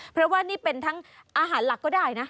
เพราะว่านี่เป็นทั้งอาหารหลักก็ได้นะ